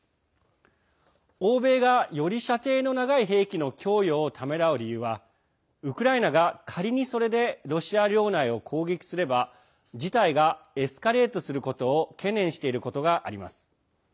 欧米が、より射程の長い兵器の供与をためらう理由はウクライナが仮にそれでロシア領内を攻撃すれば事態がエスカレートすることを懸念していることがあります。